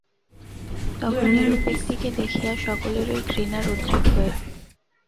তখন এরূপ ব্যক্তিকে দেখিয়া সকলেরই ঘৃণার উদ্রেক হয়।